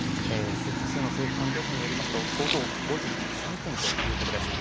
複数の政府関係者によりますと午後５時３分ということです。